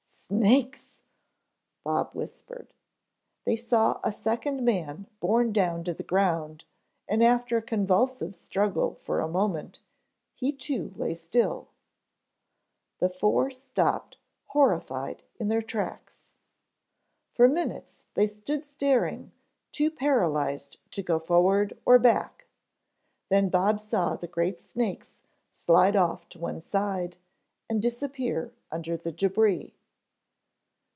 "Snakes," Bob whispered. They saw a second man borne down to the ground and after a convulsive struggle for a moment, he too lay still. The four stopped horrified in their tracks. For minutes they stood staring too paralyzed to go forward or back, then Bob saw the great snakes slide off to one side and disappear under the debris.